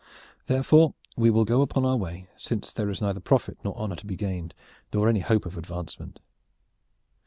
Therefore, we will go upon our way, since there is neither profit nor honor to be gained, nor any hope of advancement."